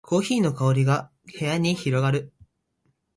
コーヒーの香りが部屋に広がる